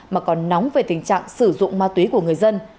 mà còn nóng về tình trạng sử dụng ma túy của người dân